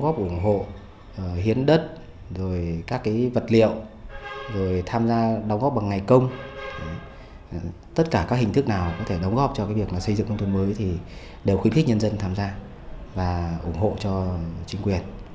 việc xây dựng nông thuần mới đều khuyến khích nhân dân tham gia và ủng hộ cho chính quyền